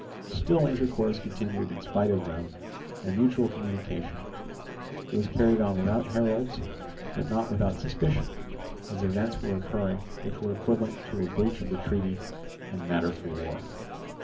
Still intercourse continued in spite of them, and mutual communication. It was carried on without heralds, but not without suspicion, as events were occurring which were equivalent to a breach of the treaty and matter for war.